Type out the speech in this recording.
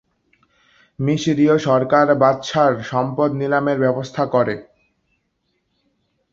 মিশরীয় সরকার বাদশাহর সম্পদ নিলামের ব্যবস্থা করে।